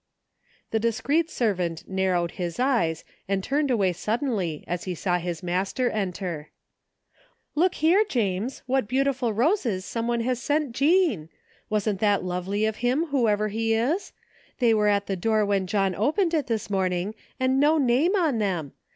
The discreet servant narrowed his eyes and turned away suddenly as he saw his master enter. " Just look here, James, what beautiful roses some one has sent Jean! Wasn't that lovely of him, who ever he is? They were at the door when John opened it this morning, and no name on them